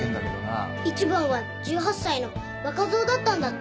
１番は１８歳の若造だったんだって。